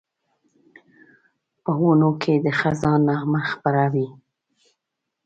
په ونو کې د خزان نغمه خپره وي